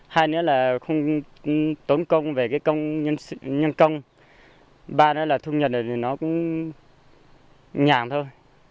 hai nữa là không tốn công về cái công nhân công ba nữa là thu nhập thì nó cũng nhàng thôi